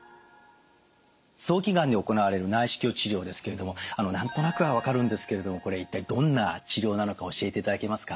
早期がんで行われる内視鏡治療ですけれども何となくは分かるんですけれどもこれ一体どんな治療なのか教えていただけますか？